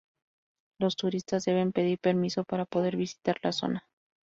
Los turistas deben pedir permiso para poder visitar la zona.